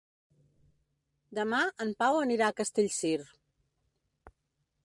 Demà en Pau anirà a Castellcir.